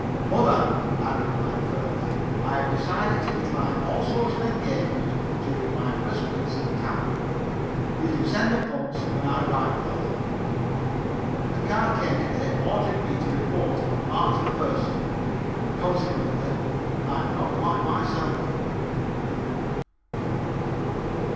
"Mother," I replied firmly, "I have decided to decline all social engagements during my first few weeks in camp. You can send the pumps when I write for them." A card came to day ordering me to report on March 1st. Consequently I am not quite myself.